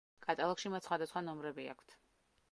კატალოგში მათ სხვადასხვა ნომრები აქვთ.